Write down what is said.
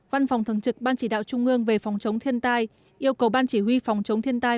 văn phòng thường trực ban chỉ đạo trung ương về phòng chống thiên tai yêu cầu ban chỉ huy phòng chống thiên tai